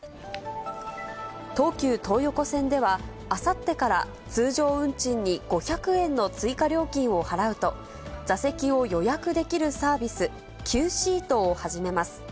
東急東横線では、あさってから通常運賃に５００円の追加料金を払うと、座席を予約できるサービス、ＱＳＥＡＴを始めます。